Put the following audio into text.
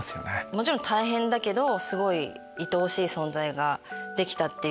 もちろん大変だけどいとおしい存在ができたっていうのが。